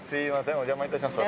お邪魔いたしました。